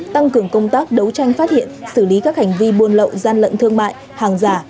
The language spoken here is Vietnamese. tăng cường công tác đấu tranh phát hiện xử lý các hành vi buôn lậu gian lận thương mại hàng giả